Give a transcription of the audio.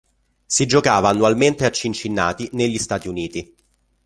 Si giocava annualmente a Cincinnati negli Stati Uniti.